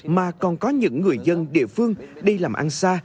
mà còn có những người dân địa phương đi làm ăn xa